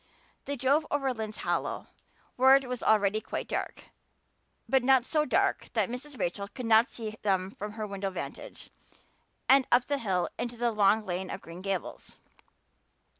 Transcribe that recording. They drove over Lynde's Hollow, where it was already quite dark, but not so dark that Mrs. Rachel could not see them from her window vantage, and up the hill and into the long lane of Green Gables.